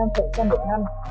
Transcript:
khoảng ba năm đổi năm